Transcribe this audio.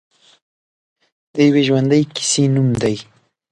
د یوې ژوندۍ کیسې نوم دی.